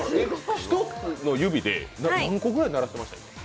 １つの指で何個ぐらい鳴らしてました？